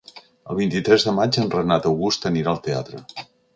El vint-i-tres de maig en Renat August anirà al teatre.